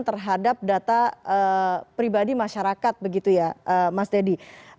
terhadap data pribadi masyarakat begitu ya mas deddy